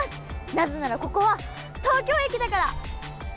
なぜならここは東京駅だから！